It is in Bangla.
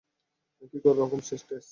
কী রকম টেষ্ট।